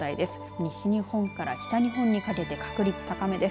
西日本から北日本にかけて確率高めです。